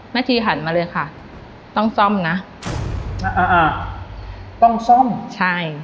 แม่ชีหันมาเลยค่ะต้องซ่อมนะอ่าอ่าอ่าต้องซ่อมใช่